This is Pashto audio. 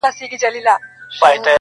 خالقه د آسمان په کناره کي سره ناست وو_